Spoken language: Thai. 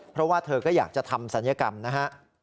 เพราะว่าเธอก็อยากจะทำศัลยกรรมนะฮะ